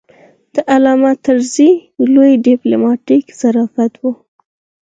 د علامه طرزي لوی ډیپلوماتیک ظرافت و.